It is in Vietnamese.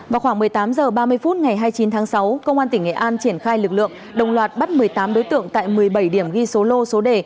vào khoảng một mươi tám h ba mươi phút ngày hai mươi chín tháng sáu công an tỉnh nghệ an triển khai lực lượng đồng loạt bắt một mươi tám đối tượng tại một mươi bảy điểm ghi số lô số đề